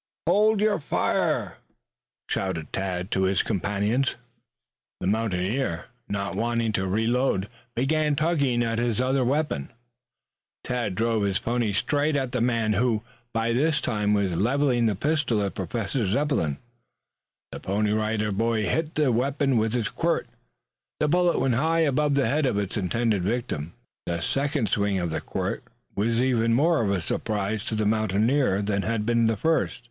"Hold your fire!" shouted Tad to his companions. The mountaineer, not waiting to reload, began tugging at his other weapon. Tad drove his pony straight at the man who, by this time, was leveling the pistol at Professor Zepplin. The Pony Rider Boy hit the weapon with his quirt. The bullet went high above the head of its intended victim. The second swing of the quirt was even more of a surprise to the mountaineer than had been the first.